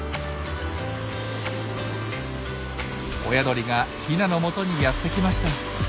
親鳥がヒナのもとにやってきました。